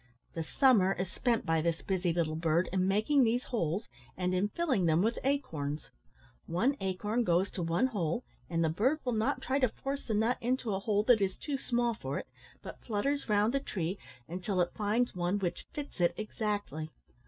The summer is spent by this busy little bird in making these holes and in filling them with acorns. One acorn goes to one hole, and the bird will not try to force the nut into a hole that is too small for it, but flutters round the tree until it finds one which fits it exactly.